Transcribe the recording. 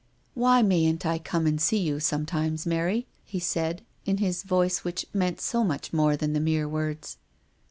" Why mayn't I come and see you some times, Mary?" he said, in his voice which meant so much more than the mere words.